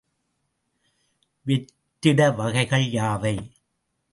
வெற்றிட வகைகள் யாவை?